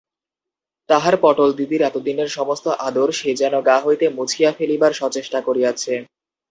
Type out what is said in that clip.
তাহার পটলদিদির এতদিনের সমস্ত আদর সে যেন গা হইতে মুছিয়া ফেলিবার সচেষ্টা করিয়াছে।